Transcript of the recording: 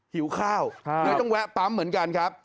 หิวข้าวเลยต้องแวะปั๊มเหมือนกันครับ